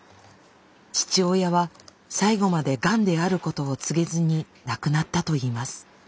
父親は最期までがんであることを告げずに亡くなったといいます。